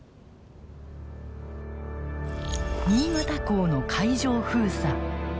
新潟港の海上封鎖。